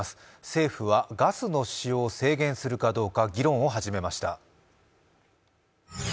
政府はガスの使用を制限するかどうか議論を始めました。